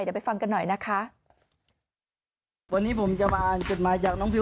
เดี๋ยวไปฟังกันหน่อยนะคะวันนี้ผมจะมาอ่านจดหมายจากน้องพิว